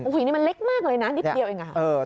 นี่มันเล็กมากเลยนะนิดเดียวเอง